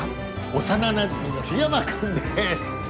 幼なじみの緋山君です